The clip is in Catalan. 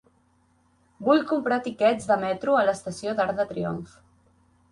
Vull comprar tiquets de metro a l'estació d'Arc de Triomf.